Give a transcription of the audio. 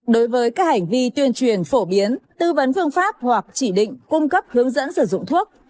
đối với các hành vi tuyên truyền phổ biến tư vấn phương pháp hoặc chỉ định cung cấp hướng dẫn sử dụng thuốc